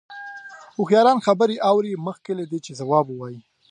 هوښیاران خبرې اوري مخکې له دې چې ځواب ووايي.